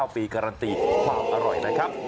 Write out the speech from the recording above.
ปีการันตีความอร่อยนะครับ